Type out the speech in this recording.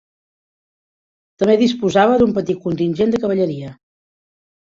També disposava d'un petit contingent de cavalleria.